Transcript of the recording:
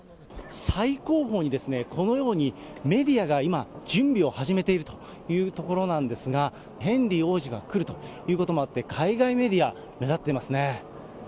最後方に、このようにメディアが今、準備を始めているというところなんですが、ヘンリー王子が来るということもあって、海外メディア、目立ってますね。